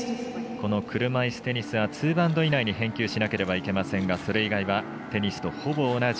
この車いすテニスはツーバウンド以内に返球しなければいけませんがそれ以外はテニスとほぼ同じ。